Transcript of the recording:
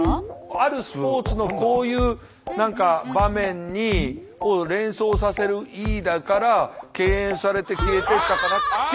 あるスポーツのこういう何か場面に連想させるＥだから敬遠されて消えてったからっていう説があるんですよ。